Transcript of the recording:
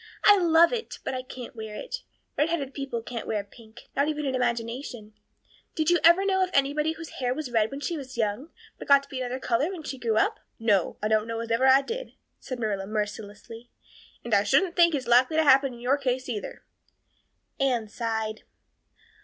I love it, but I can't wear it. Redheaded people can't wear pink, not even in imagination. Did you ever know of anybody whose hair was red when she was young, but got to be another color when she grew up?" "No, I don't know as I ever did," said Marilla mercilessly, "and I shouldn't think it likely to happen in your case either." Anne sighed.